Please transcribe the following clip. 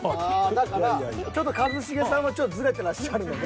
だからちょっと一茂さんはズレてらっしゃるので。